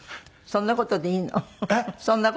そんな事でいいの？